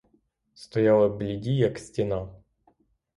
Стояли бліді, як стіна.